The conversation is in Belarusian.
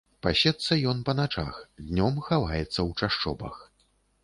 Пасецца ён па начах, днём хаваецца ў чашчобах.